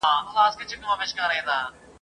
پر خره سپرېدل یو شرم، ځني کښته کېدل یې بل شرم !.